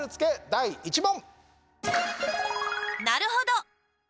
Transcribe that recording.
第１問！